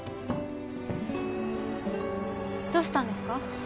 どうしたんですか？